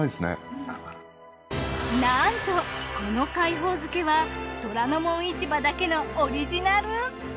なんとこの海宝漬は『虎ノ門市場』だけのオリジナル！